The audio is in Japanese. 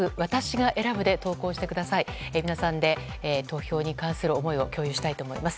皆さんで投票に関する思い共有したいと思います。